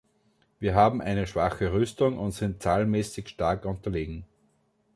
Wir haben eine schwache Rüstung und sind zahlenmäßig stark unterlegen.